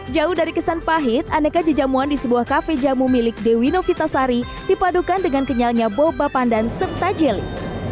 jauh dari kesan pahit aneka jejamuan di sebuah kafe jamu milik dewi novitasari dipadukan dengan kenyalnya boba pandan serta jelly